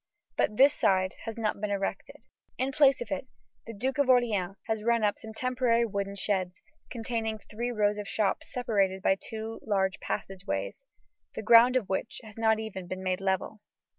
But this side has not been erected. In place of it the Duke of Orleans has run up some temporary wooden sheds, containing three rows of shops separated by two large passage ways, the ground of which has not even been made level.